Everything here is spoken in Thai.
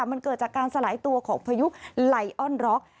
มันเกิดจากการสลายตัวของพายุไลออนร็อก